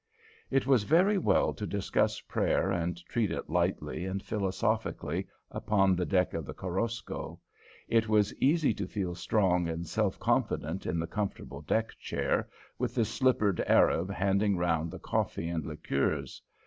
It was very well to discuss prayer and treat it lightly and philosophically upon the deck of the Korosko. It was easy to feel strong and self confident in the comfortable deck chair, with the slippered Arab handing round the coffee and liqueurs.